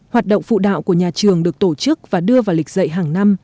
hoạt động phụ đạo của nhà trường được tổ chức và đưa vào lịch dạy hàng năm